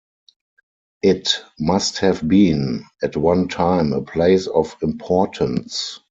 It must have been at one time a place of importance.